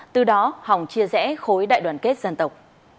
từ đó hòng chia rẽ khối đại đoàn kết dân tộc